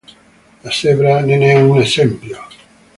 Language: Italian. La zebra ne è un esempio.